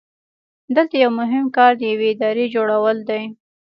دلته یو مهم کار د یوې ادارې جوړول دي.